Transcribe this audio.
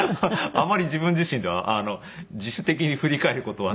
あまり自分自身では自主的に振り返る事はないので。